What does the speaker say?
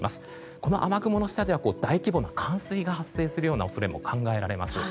この雨雲の下では大規模な冠水が発生する恐れも考えられます。